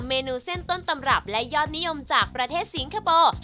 เมนูเส้นต้นตำรับและยอดนิยมจากประเทศสิงคโปร์